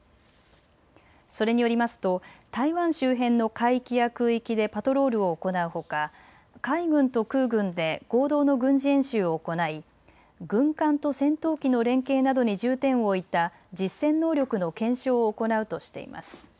それによりますと台湾周辺の海域や空域でパトロールを行うほか、海軍と空軍で合同の軍事演習を行い軍艦と戦闘機の連携などに重点を置いた実戦能力の検証を行うとしています。